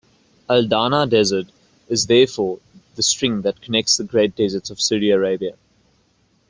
Al-Dahna Desert is therefore the string that connects the great deserts of Saudi Arabia.